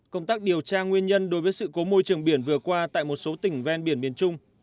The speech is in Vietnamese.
công tác điều tra nguyên nhân đối với sự cố môi trường biển vừa qua tại một số tỉnh ven biển miền trung